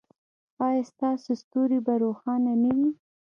ایا ستاسو ستوری به روښانه نه وي؟